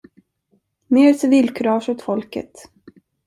Mer civilkurage åt folket.